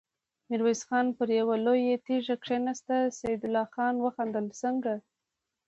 ميرويس خان پر يوه لويه تيږه کېناست، سيدال خان وخندل: څنګه!